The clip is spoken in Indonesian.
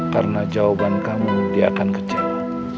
karena jawaban kamu dia akan kecewa